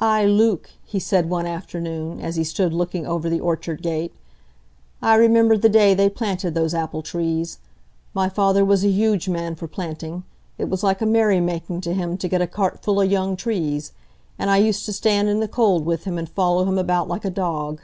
"Ay, Luke," he said one afternoon, as he stood looking over the orchard gate, "I remember the day they planted those apple trees. My father was a huge man for planting,—it was like a merry making to him to get a cart full o' young trees; and I used to stand i' the cold with him, and follow him about like a dog."